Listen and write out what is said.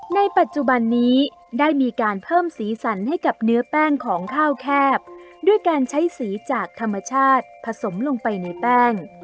ในปัจจุบันนี้ได้มีการเพิ่มสีสันให้กับเนื้อแป้งของข้าวแคบด้วยการใช้สีจากธรรมชาติผสมลงไปในแป้ง